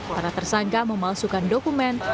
pada tersangka memalsukan dokumen